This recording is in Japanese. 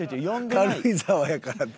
軽井沢やからって。